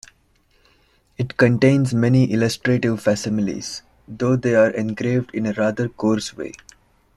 It contains many illustrative facsimiles, though they are engraved in a rather coarse way.